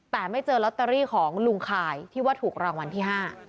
แต่ไม่เจอลอตเตอรี่ของลุงคายที่ว่าถูกรางวัลที่๕